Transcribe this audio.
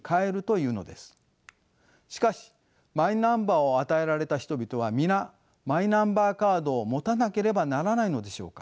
しかしマイナンバーを与えられた人々は皆マイナンバーカードを持たなければならないのでしょうか。